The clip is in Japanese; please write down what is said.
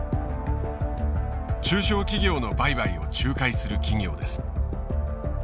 中小企業の売買を仲介する企業です。